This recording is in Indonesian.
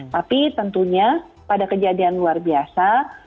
tapi tentunya pada kejadian luar biasa